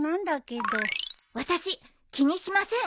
私気にしません。